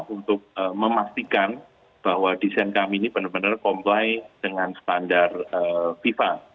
untuk memastikan bahwa desain kami ini benar benar comply dengan standar fifa